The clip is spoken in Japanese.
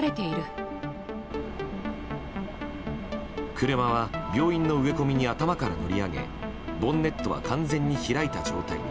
車は病院の植え込みに頭から乗り上げボンネットは完全に開いた状態に。